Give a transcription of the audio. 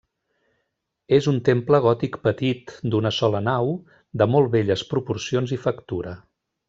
És un temple gòtic petit, d'una sola nau, de molt belles proporcions i factura.